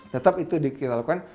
tetap itu kita lakukan